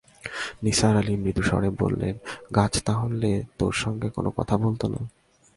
নিসার আলি মৃদু স্বরে বললেন, গাছ তাহলে তোর সঙ্গে কোনো কথা বলত না?